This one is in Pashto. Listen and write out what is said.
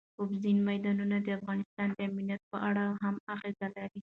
اوبزین معدنونه د افغانستان د امنیت په اړه هم اغېز لري.